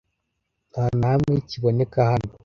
nta na hamwe kiboneka hano